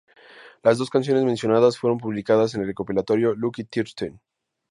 Las dos canciones mencionadas fueron publicadas en el recopilatorio "Lucky Thirteen".